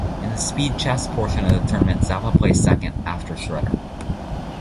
In the speed chess portion of the tournament Zappa placed second, after Shredder.